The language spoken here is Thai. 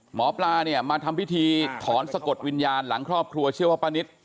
หมอปลาเนี่ยมาทำพิธีถอนสะกดวิญญาณหลังครอบครัวเชื่อว่าป้านิต